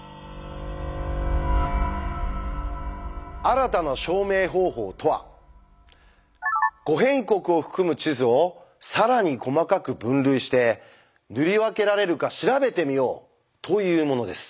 「新たな証明方法」とは「五辺国」を含む地図を更に細かく分類して塗り分けられるか調べてみようというものです。